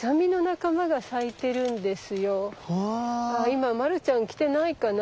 今マルちゃん来てないかな。